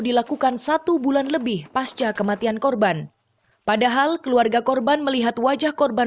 dilakukan satu bulan lebih pasca kematian korban padahal keluarga korban melihat wajah korban